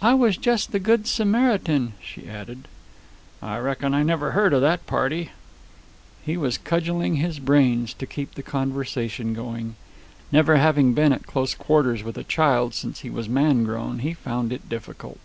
"I was just the good Samaritan," she added. "I reckon I never heard of that party." He was cudgelling his brains to keep the conversation going. Never having been at close quarters with a child since he was man grown, he found it difficult.